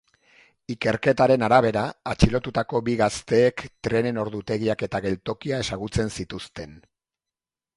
Ikerketaren arabera, atxilotutako bi gazteek trenen ordutegiak eta geltokia ezagutzen zituzten.